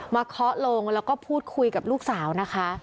เคาะลงแล้วก็พูดคุยกับลูกสาวนะคะ